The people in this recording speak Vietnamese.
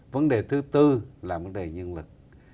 vấn đề thứ tư là vấn đề nhân lực